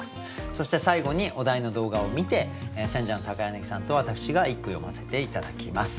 そして最後にお題の動画を観て選者の柳さんと私が一句詠ませて頂きます。